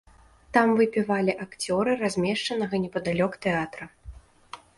Там выпівалі акцёры размешчанага непадалёк тэатра.